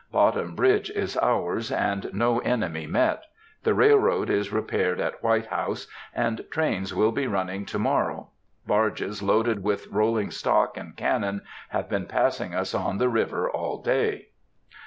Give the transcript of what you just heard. Bottom Bridge is ours, and no enemy met; the railroad is repaired at White House, and trains will be running to morrow; barges, loaded with rolling stock and cannon, have been passing us on the river all day.